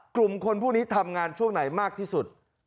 กลุ่มคนพวกนี้ทำงานช่วงไหนมากที่สุด